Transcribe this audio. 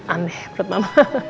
aneh menurut mama